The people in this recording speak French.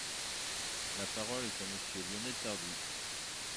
La parole est à Monsieur Lionel Tardy.